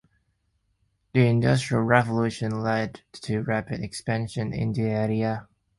The Industrial Revolution led to rapid expansion in the area.